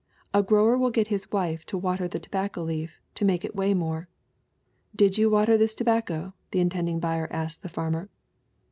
A grower will get his wife to water the tobacco leaf, to make it weigh more. 'Did you water this tobacco?' the intending buyer asks the farmer.